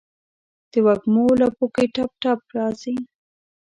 دوږمو لپو کې ټپ، ټپ راځي